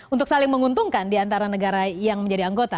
untuk saling menguntungkan di antara negara yang menjadi anggota